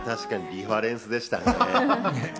リファレンスでしたね。